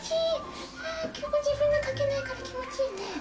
自分でかけないから気持ちいいね。